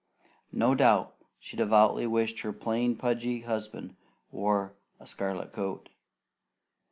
No doubt she devoutly wished her plain pudgy husband wore a scarlet coat.